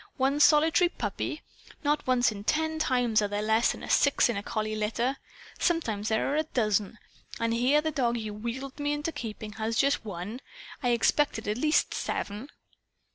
One solitary puppy! Not once in ten times are there less than six in a collie litter. Sometimes there are a dozen. And here the dog you wheedled me into keeping has just one! I expected at least seven."